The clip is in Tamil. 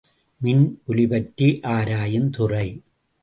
மின் ஒலிபற்றி ஆராயுந்துறை.